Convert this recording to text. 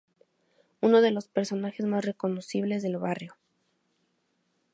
Uno de los personajes mas reconocibles del barrio.